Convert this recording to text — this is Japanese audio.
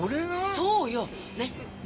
そうよ！ね？ね？